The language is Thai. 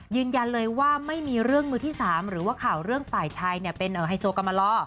ยืนยันเลยว่าไม่มีเรื่องมือที่๓หรือว่าข่าวเรื่องฝ่ายชายเป็นไฮโซกรรมลอ